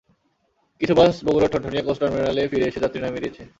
কিছু বাস বগুড়ার ঠনঠনিয়া কোচ টার্মিনালে ফিরে এসে যাত্রী নামিয়ে দিয়েছে।